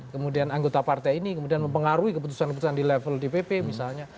kemudian anggota partai ini kemudian mempengaruhi keputusan keputusan di level dpp misalnya